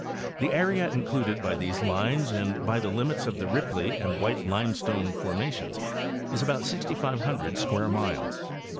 The area included by these lines and by the limits of the Ripley and White limestone formations is about 6,500 square miles.